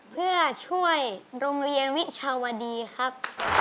เพื่อช่วยโรงเรียนวิชาวดีครับ